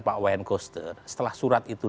pak wayan koster setelah surat itu